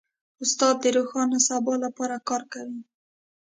استاد د روښانه سبا لپاره کار کوي.